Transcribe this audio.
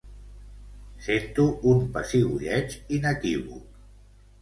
Sento un pessigolleig inequívoc.